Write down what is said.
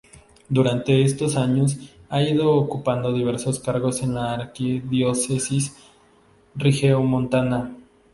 Durante todos estos años ha ido ocupando diversos cargos en la arquidiócesis regiomontana.